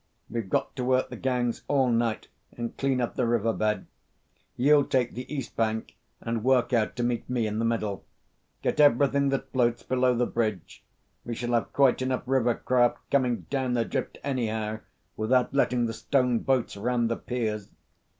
We've got to work the gangs all night and clean up the riverbed. You'll take the east bank and work out to meet me in the middle. Get everything that floats below the bridge: we shall have quite enough river craft coming down adrift anyhow, without letting the stone boats ram the piers.